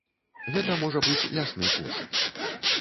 Гэта можа быць лясны пошук.